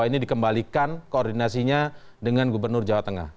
ini dikembalikan koordinasinya dengan gubernur jawa tengah